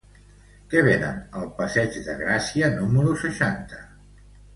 Què venen al passeig de Gràcia número seixanta?